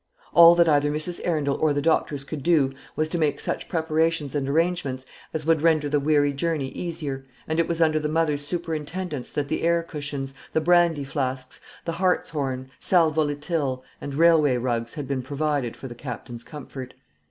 All that either Mrs. Arundel or the doctors could do, was to make such preparations and arrangements as would render the weary journey easier; and it was under the mother's superintendence that the air cushions, the brandy flasks, the hartshorn, sal volatile, and railway rugs, had been provided for the Captain's comfort.